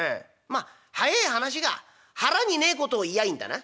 まあ早え話が腹にねえことを言やいいんだな？」。